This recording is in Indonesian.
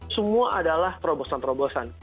semua adalah terobosan terobosan